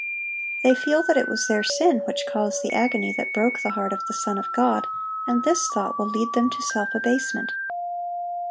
They feel that it was their sin which caused the agony that broke the heart of the Son of God, and this thought will lead them to self abasement.